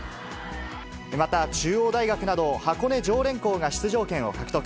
また中央大学など箱根常連校が出場権を獲得。